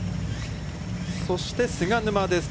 そして菅沼です。